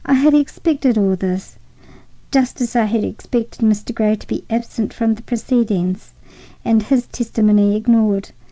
I had expected all this, just as I had expected Mr. Grey to be absent from the proceedings and his testimony ignored.